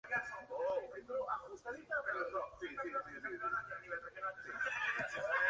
Es hermano de Edmond de Goncourt, con quien colaboró en parte de su obra.